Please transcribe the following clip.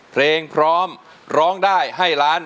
เพลงพร้อมร้องได้ให้ล้าน